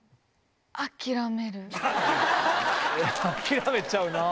諦めちゃうなぁ。